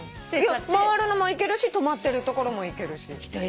回るのも行けるし止まってるところも行けるし。